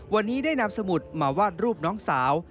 วันนี้ได้นำสมุดมาวาดรูปน้องสาว